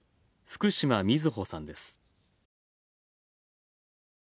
福島みずほさんです。